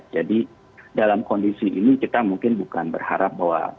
dalam kondisi ini kita mungkin bukan berharap bahwa